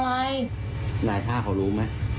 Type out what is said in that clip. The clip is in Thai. นายท่าเขารู้ไหม